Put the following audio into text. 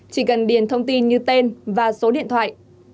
chỉ cần điền thông tin như tên và số điện thoại